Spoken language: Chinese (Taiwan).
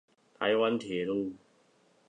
台灣鐵路